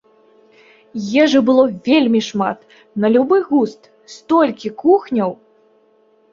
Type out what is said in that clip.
Ежы было вельмі шмат, на любы густ, столькі кухняў!